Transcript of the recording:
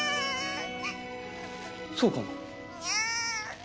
そうかな？